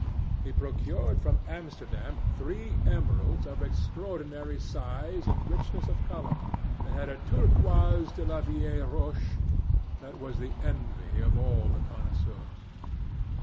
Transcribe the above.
He procured from Amsterdam three emeralds of extraordinary size and richness of colour, and had a turquoise de la vieille roche that was the envy of all the connoisseurs.